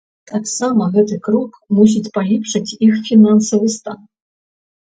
Таксама гэты крок мусіць палепшыць іх фінансавы стан.